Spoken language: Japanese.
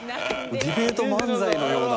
ディベート漫才のような。